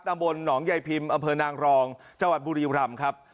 ตามบนหนองไยพิมอำเภอนางรองจังหวัดบุรีบรรมครับ